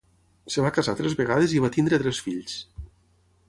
Es va casar tres vegades i va tenir tres fills.